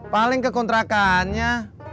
paling kekontrakan ya